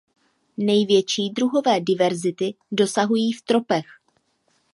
Největší druhové diverzity dosahují v tropech.